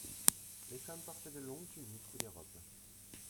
Les femmes portaient de longues tuniques ou des robes.